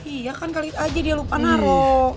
iya kan kali itu aja dia lupa naro